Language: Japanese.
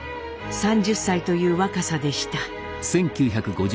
３０歳という若さでした。